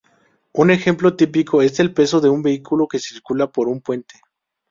Un ejemplo típico es el peso de un vehículo que circula por un puente.